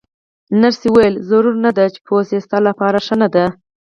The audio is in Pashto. نرسې وویل: ضرور نه ده چې پوه شې، ستا لپاره ښه نه ده.